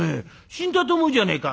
死んだと思うじゃねえか」。